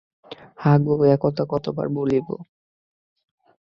হাঁ গো, এক কথা কতবার বলিব!